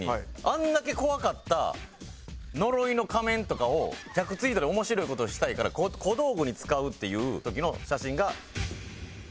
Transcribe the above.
あれだけ怖かった呪いの仮面とかを１００ツイートで面白い事をしたいから小道具に使うっていう時の写真がこちらです。